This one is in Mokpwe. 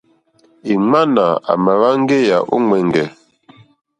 Èŋwánà àmà wáŋgéyà ó ŋwɛ̀ŋgɛ̀.